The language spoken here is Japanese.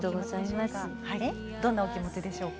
どんなお気持ちでしょうか。